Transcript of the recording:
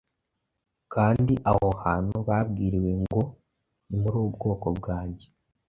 Kandi aho hantu babwiriwe ngo: ‘Ntimuri ubwoko bwanjye’,